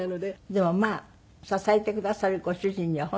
でもまあ支えてくださるご主人には本当に感謝？